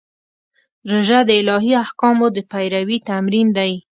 روژه د الهي احکامو د پیروي تمرین دی.